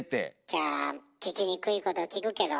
じゃあ聞きにくいこと聞くけど。